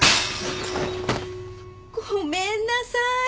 ごめんなさい。